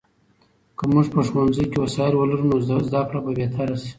که موږ په ښوونځي کې وسایل ولرو، نو زده کړه به بهتره سي.